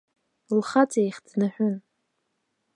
Лхаҵа иахь днаҳәын.